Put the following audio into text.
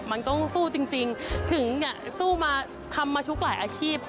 มันต้องสู้จริงถึงเนี่ยสู้มาทำมาทุกหลายอาชีพ